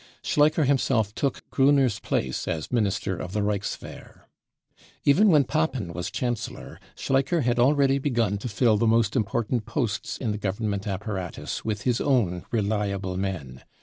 Schleicher himself took Groener's place as Minister of the Reichswchr. Even when Papen was Chancellor, Schleicher had already begun to fill the most important posts in the government apparatus with his own reliable men.